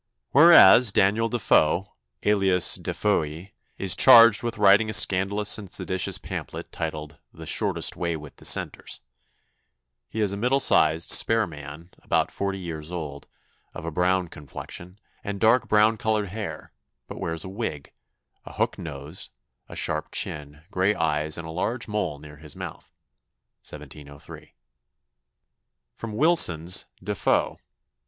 ] "Whereas, Daniel De Foe, alias De Fooe, is charged with writing a scandalous and seditious pamphlet entitled The Shortest Way with the Dissenters. He is a middle sized spare man, about forty years old, of a brown complexion, and dark brown colored hair, but wears a wig; a hooked nose, a sharp chin, gray eyes, and a large mole near his mouth." 1703. [Sidenote: Wilson's De Foe.